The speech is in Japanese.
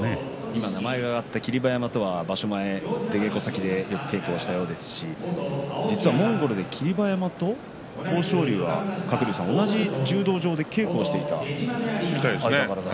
今名前が挙がった霧馬山とは、場所前に出稽古先でよく稽古をしたようですし実はモンゴルで、霧馬山と豊昇龍は同じ柔道場で稽古をしていたと。